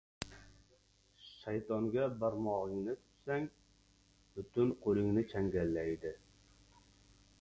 • Shaytonga barmog‘ingni tutsang, butun qo‘lingni changallaydi.